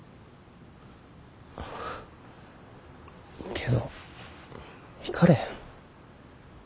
けど行かれへん。